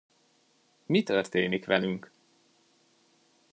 Mi történik velünk?